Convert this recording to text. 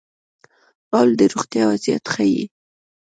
غول د روغتیا وضعیت ښيي.